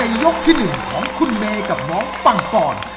ในยกที่หนึ่งของคุณเมย์กับน้องปังปร่อง